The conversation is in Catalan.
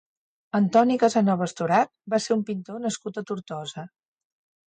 Antoni Casanova Estorach va ser un pintor nascut a Tortosa.